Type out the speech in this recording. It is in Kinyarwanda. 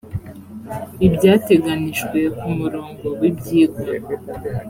ibyateganijwe ku umurongo w ibyigwa